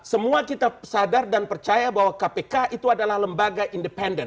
semua kita sadar dan percaya bahwa kpk itu adalah lembaga independen